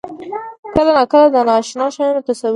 کله ناکله د نااشنا شیانو تصور کېږي.